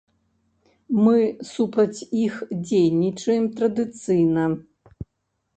Мы супраць іх дзейнічаем традыцыйна.